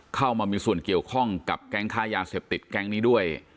เข้ามามีส่วนเกี่ยวข้องกับแก๊งค้ายาเสพติดแก๊งนี้ด้วย